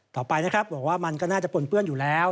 ต่อไปนะครับบอกว่ามันก็น่าจะปนเปื้อนอยู่แล้ว